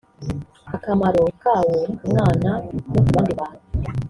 akamaro ka wo ku mwana no mu bandi bantu